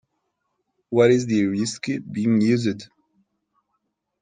What is the heuristic being used?